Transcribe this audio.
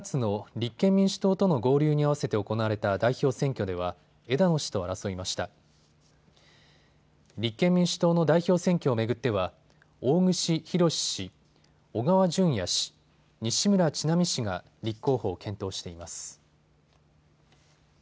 立憲民主党の代表選挙を巡っては、大串博志氏、小川淳也氏、西村智奈美氏が立候補を検討しています。